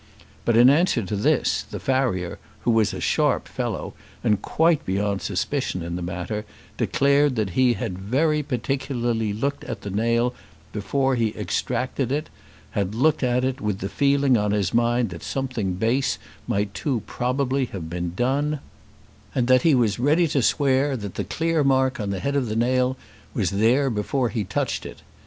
But in answer to this the farrier, who was a sharp fellow, and quite beyond suspicion in the matter, declared that he had very particularly looked at the nail before he extracted it, had looked at it with the feeling on his mind that something base might too probably have been done, and that he was ready to swear that the clear mark on the head of the nail was there before he touched it.